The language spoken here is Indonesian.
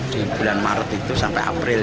di bulan maret itu sampai april dua ribu enam belas